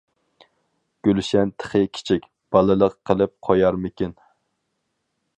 -گۈلشەن تېخى كىچىك، بالىلىق قىلىپ قويارمىكىن.